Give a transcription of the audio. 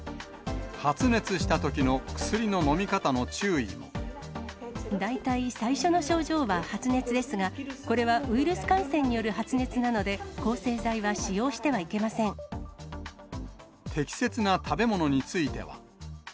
発熱したときの薬の飲み方の大体最初の症状は発熱ですが、これはウイルス感染による発熱なので、抗生剤は使用してはいけま適切な食べ物については。